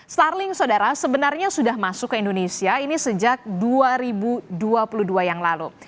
starling saudara sebenarnya sudah masuk ke indonesia ini sejak dua ribu dua puluh dua yang lalu